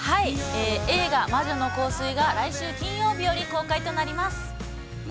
◆映画「魔女の香水」が来週、金曜より公開となります。